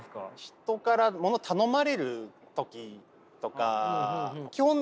人からものを頼まれる時とか基本